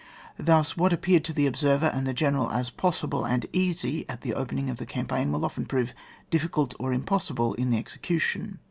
Thus, what appeared to the observer and the general as possible and easy at the opening of the campaign, will often prove difficult or impossible in the execution.